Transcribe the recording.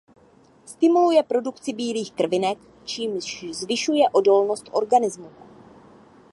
Stimuluje produkci bílých krvinek čímž zvyšuje odolnost organizmu.